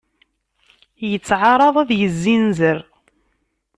Yettεaraḍ ad yezzinzer.